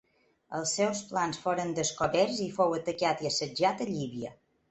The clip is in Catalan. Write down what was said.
Els seus plans foren descoberts i fou atacat i assetjat a Llívia.